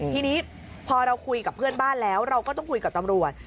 ทีนี้พอเราคุยกับเพื่อนบ้านแล้วเราก็ต้องคุยกับตำรวจ